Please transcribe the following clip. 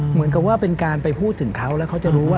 เหมือนกับว่าเป็นการไปพูดถึงเขาแล้วเขาจะรู้ว่า